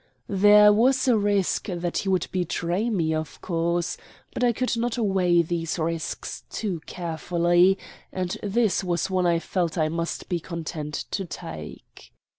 There was a risk that he would betray me, of course; but I could not weigh these risks too carefully, and this was one I felt I must be content to take.